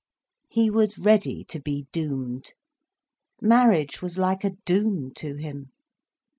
He was ready to be doomed. Marriage was like a doom to him.